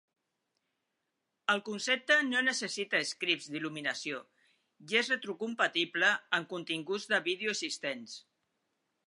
El concepte no necessita scripts d'il·luminació i és retrocompatible amb continguts de vídeo existents.